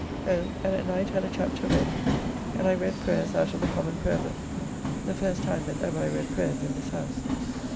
Home, and at night had a chapter read; and I read prayers out of the Common Prayer Book, the first time that ever I read prayers in this house.